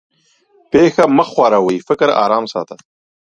پېښه مه خورې؛ فکر ارام ساته.